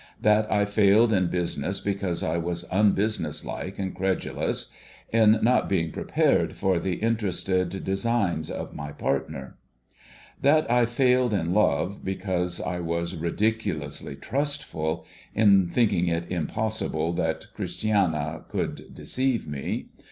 That I failed in business because I was un business like and credulous — in not being prepared for the inte rested designs of my partner. That I failed in love, because I was 26 THE POOR RELATION'S STORY ridiculously trustful — in thinking it impossible that Christiana could deceive me.